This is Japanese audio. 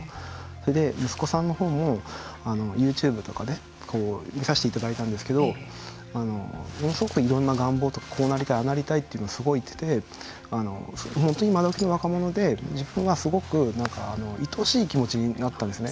それで息子さんのほうもＹｏｕＴｕｂｅとかで見させていただいたんですけどものすごくこうなりたいああなりたいってすごい言ってて本当に今どきの若者で自分はすごくいとしい気持ちになったんですね。